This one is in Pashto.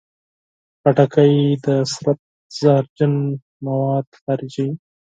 خټکی د بدن زهرجن مواد خارجوي.